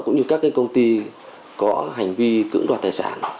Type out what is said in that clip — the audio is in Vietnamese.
cũng như các công ty có hành vi cưỡng đoạt tài sản